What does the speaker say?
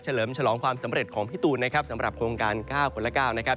เลิมฉลองความสำเร็จของพี่ตูนนะครับสำหรับโครงการ๙คนละ๙นะครับ